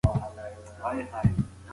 شاه محمود په ډېره دبدبه ښار ته داخل شو.